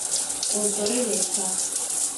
عنصر یکا